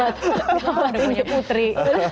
gak apa apa punya putri